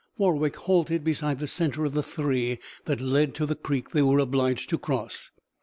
Warwick halted beside the centre of the three that led to the creek they were obliged to cross.